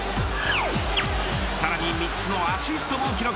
さらに３つのアシストも記録。